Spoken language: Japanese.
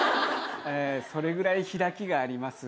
それぐらい開きがあります。